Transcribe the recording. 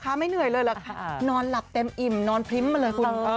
ความไม่เหนื่อยเลยรึนอนหลับเต็มอิ่มนอนพริมมาเลยคุณ